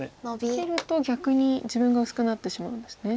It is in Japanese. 切ると逆に自分が薄くなってしまうんですね。